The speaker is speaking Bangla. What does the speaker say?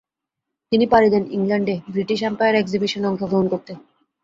তিনি পাড়ি দেন ইংল্যান্ডে বৃটিশ এম্পায়ার একজিবিশনে অংশগ্রহণ করতে।